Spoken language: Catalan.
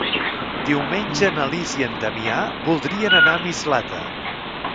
Diumenge na Lis i en Damià voldrien anar a Mislata.